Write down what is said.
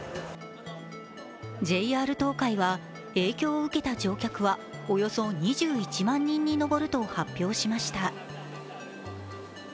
ＪＲ東海は影響を受けた乗客はおよそ２１万人に上ると発表しました。